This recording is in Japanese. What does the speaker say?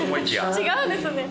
違うんですね。